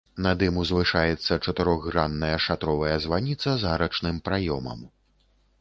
Над ім узвышаецца чатырохгранная шатровая званіца з арачным праёмам.